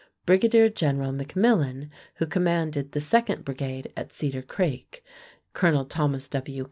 Brigadier General McMillan, who commanded the second brigide at Cedar Creek; Colonel Thomas W.